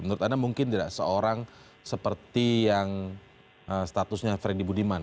menurut anda mungkin tidak seorang seperti yang statusnya freddy budiman